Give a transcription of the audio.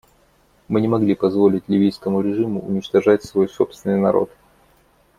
Мы не могли позволить ливийскому режиму уничтожать свой собственный народ.